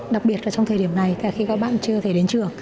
đặc biệt là trong thời điểm này khi các bạn chưa thể đến trường